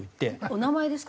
お名前ですか？